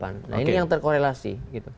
nah ini yang terkorelasi